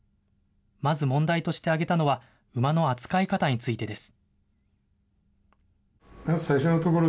まず問題として挙げたのは、馬の扱い方についてです。